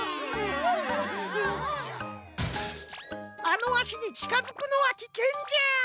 あのあしにちかづくのはきけんじゃ。